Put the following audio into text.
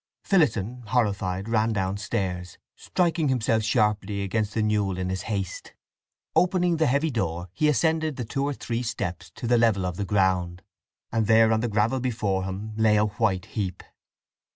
Phillotson, horrified, ran downstairs, striking himself sharply against the newel in his haste. Opening the heavy door he ascended the two or three steps to the level of the ground, and there on the gravel before him lay a white heap.